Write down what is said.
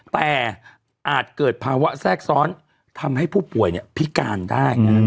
แต่อาจเกิดภาวะแทรกซ้อนทำให้ผู้ป่วยพิการได้